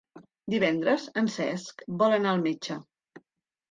Divendres en Cesc vol anar al metge.